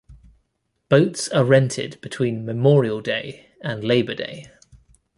Boats are rented between Memorial Day and Labor Day.